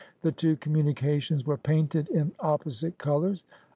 The two communications were painted in opposite colors.